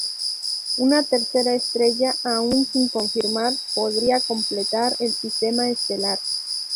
Una tercera estrella, aún sin confirmar, podría completar el sistema estelar.